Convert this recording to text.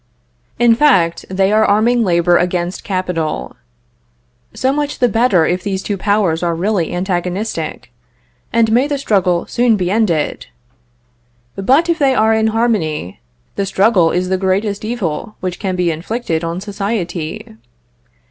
In fact, they are arming labor against capital. So much the better, if these two powers are really antagonistic; and may the struggle soon be ended! But if they are in harmony, the struggle is the greatest evil which can be inflicted on society.